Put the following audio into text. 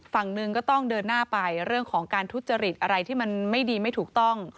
ฝั่งหนึ่งก็ต้องเดินหน้าไปเรื่องของการทุจริตอะไรที่มันไม่ดีไม่ถูกต้อง